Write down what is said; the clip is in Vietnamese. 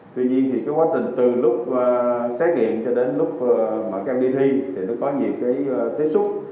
tuy nhiên thì quá trình từ lúc xét nghiệm cho đến lúc mà các em đi thi thì nó có nhiều tiếp xúc